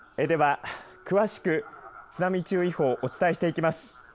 では詳しく津波注意報お伝えしていきます。